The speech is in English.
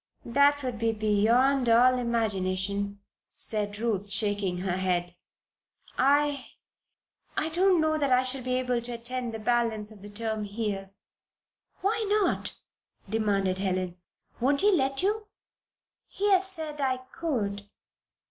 "That would be beyond all imagination," said Ruth, shaking her head. "I I don't know that I shall be able to attend the balance of the term here." "Why not?" demanded Helen. "Won't he let you?" "He has said I could."